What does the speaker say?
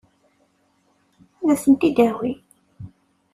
Ad asen-t-id-tawim?